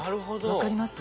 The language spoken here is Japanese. わかります？